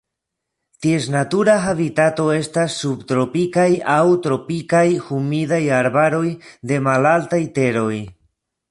Ties natura habitato estas subtropikaj aŭ tropikaj humidaj arbaroj de malaltaj teroj.